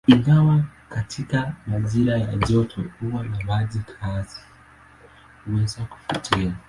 Ingawa katika majira ya joto huwa na maji kiasi, huweza kuvutia.